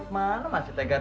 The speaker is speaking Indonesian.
dia nggak ngasih aku uang